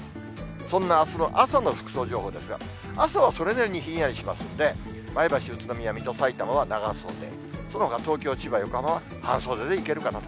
そんなあすの朝の服装情報ですが、朝はそれなりにひんやりしますんで、前橋、宇都宮、水戸、さいたまは長袖、そのほか、東京、千葉、横浜は半袖でいけるかなと。